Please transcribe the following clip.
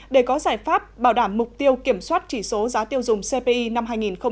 để có giải pháp bảo đảm mục tiêu kiểm soát chỉ số giá tiêu dùng cpi năm hai nghìn hai mươi